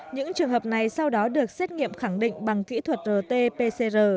những trường hợp này sau đó được xét nghiệm khẳng định bằng kỹ thuật rt pcr